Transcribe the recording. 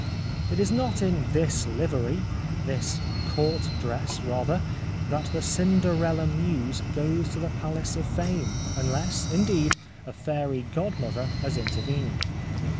It is not in this livery — this court dress rather — that the Cinderella Muse goes to the Palace of Fame, unless, indeed, a fairy godmother has intervened.